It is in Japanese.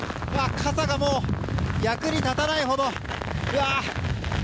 傘がもう役に立たないほど。